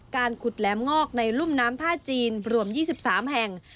การขุดแหลมงอกในรุ่มน้ำท่าจีนรวม๒๓แห่ง